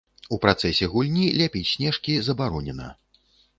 У працэсе гульні ляпіць снежкі забаронена.